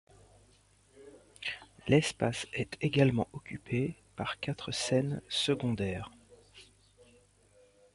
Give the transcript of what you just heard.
L'espace est également occupé par quatre scènes secondaires.